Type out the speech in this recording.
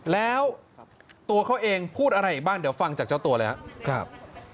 แล้วตัวเขาเองพูดอะไรอีกบ้างเดี๋ยวฟังจากเจ้าตัวเลยครับ